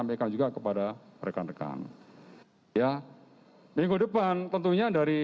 minggu depan tentunya dari